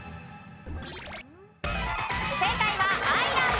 正解はアイランド。